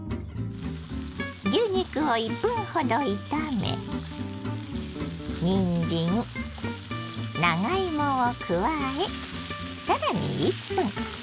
牛肉を１分ほど炒めにんじん長芋を加え更に１分。